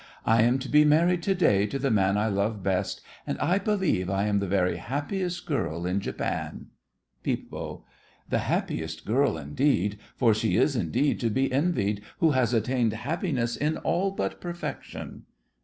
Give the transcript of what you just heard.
I am to be married to day to the man I love best and I believe I am the very happiest girl in Japan! PEEP. The happiest girl indeed, for she is indeed to be envied who has attained happiness in all but perfection.